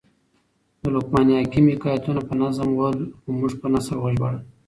د لقمان حکم حکایتونه په نظم ول؛ خو موږ په نثر وژباړل.